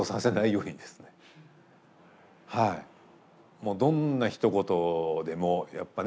もうどんなひと言でもやっぱね